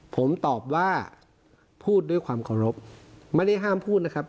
ผมตอบว่าพูดด้วยความเคารพไม่ได้ห้ามพูดนะครับ